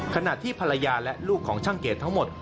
ขณะที่ภรรยาและลูกของช่างเกดทั้งหมด